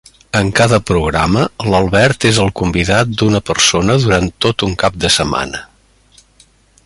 En cada programa l'Albert és el convidat d'una persona durant tot un cap de setmana.